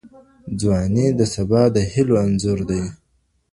ځواني د سبا د هیلو انځور دی.